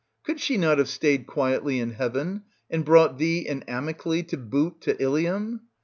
Could she not have stayed quietly in heaven and brought thee and Amyclse to boot to Ilium?